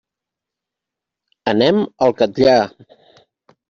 Anem al Catllar.